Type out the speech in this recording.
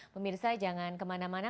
pemirsa jangan kemana mana